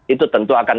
itu tentu akan kita